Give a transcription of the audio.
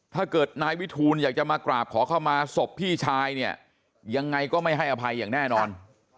ถ้าเกิดนายวิทูลอยากจะมากราบขอเข้ามาศพพี่ชายเนี่ยยังไงก็ไม่ให้อภัยอย่างแน่นอน